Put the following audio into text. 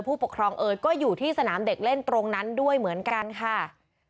ผู้ปกครองเอ๋ยก็อยู่ที่สนามเด็กเล่นตรงนั้นด้วยเหมือนกันค่ะ